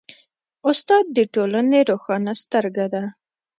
استاد د ټولنې روښانه سترګه ده.